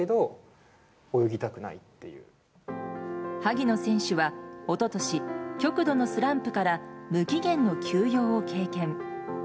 萩野選手は一昨年、極度のスランプから無期限の休養を経験。